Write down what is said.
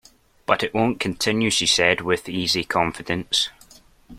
But it won't continue, she said with easy confidence.